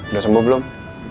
udah sembuh belum